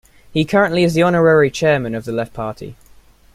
He currently is the honorary Chairman of the Left Party.